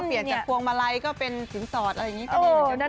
เปลี่ยนจัดควงมาลัยก็เป็นสินสอดอะไรอย่างนี้ก็ดี